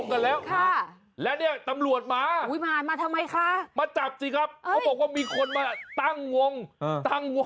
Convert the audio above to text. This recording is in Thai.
ขายจำน้อยมาซับมากมาย